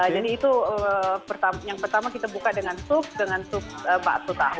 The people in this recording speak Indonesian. jadi itu yang pertama kita buka dengan sup dengan sup bakso tahu